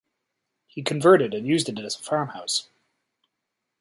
He converted and used it as a farmhouse.